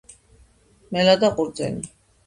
მელა და ყურძენი